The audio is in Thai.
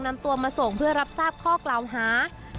นำตัวมาส่งเพื่อรับทราบข้อกล่าวหา